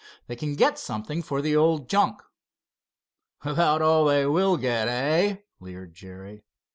They can get something for the old junk." "About all they will get, eh?" leered Jerry.